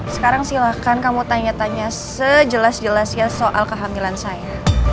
sekarang silahkan kamu tanya tanya sejelas jelasnya soal kehamilan saya